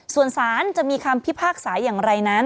ส่วนสารจะมีคำพิพากษาอย่างไรนั้น